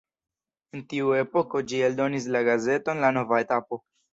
En tiu epoko ĝi eldonis la gazeton La Nova Etapo.